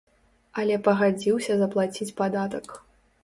Але пагадзіўся заплаціць падатак.